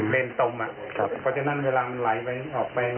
เลนตมเพราะฉะนั้นเวลามันไหลไปออกไป